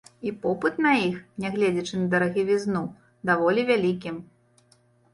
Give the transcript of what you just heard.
І попыт на іх, нягледзячы на дарагавізну, даволі вялікі.